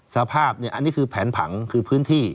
สภาพอันนี้คือแผนผังคือพื้นที่